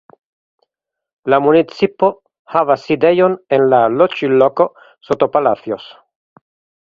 La municipo havas sidejon en la loĝloko Sotopalacios.